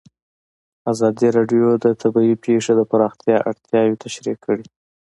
ازادي راډیو د طبیعي پېښې د پراختیا اړتیاوې تشریح کړي.